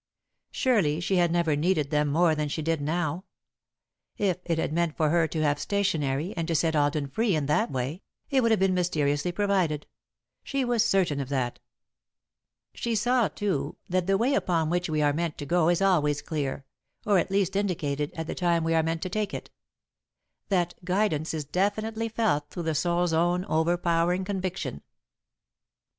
Surely she had never needed them more than she did now! If it had been meant for her to have stationery, and to set Alden free in that way, it would have been mysteriously provided she was certain of that. [Sidenote: A Clear Path] She saw, too, that the way upon which we are meant to go is always clear, or at least indicated, at the time we are meant to take it; that guidance is definitely felt through the soul's own overpowering conviction.